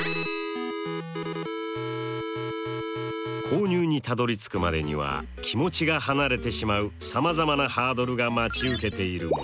購入にたどり着くまでには気持ちが離れてしまうさまざまなハードルが待ち受けているもの。